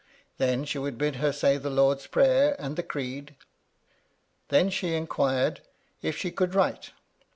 Then she would bid her say the Lord's Prayer and the Creed. Then she inquired if she could write.